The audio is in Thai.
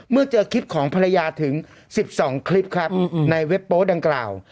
เมื่อเจอคลิปของภรรยาถึง๑๒คลิปครับในเว็บโป๊ดังกล่าว